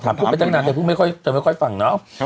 ถามพูดไปตั้งนานเธอไม่ค่อยฟังเนาะ